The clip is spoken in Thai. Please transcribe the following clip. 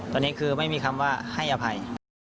ตอนนี้คือไม่มีคำว่าให้อภัย